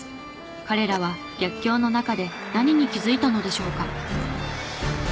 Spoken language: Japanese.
彼らは逆境の中で何に気づいたのでしょうか。